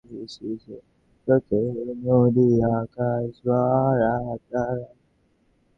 যাহা হউক আমাকে এই ঘোর অপমান হইতে উদ্ধার করিতে হইবে।